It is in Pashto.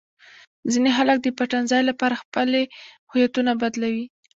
ځینې خلک د پټنځای لپاره خپلې هویتونه بدلوي.